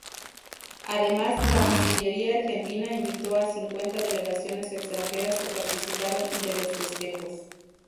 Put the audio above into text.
Además la cancillería argentina invitó a cincuenta delegaciones extranjeras que participaron de los festejos.